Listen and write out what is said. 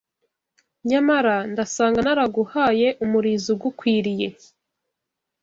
nyamara ndasanga naraguhaye umulizo ugukwiriye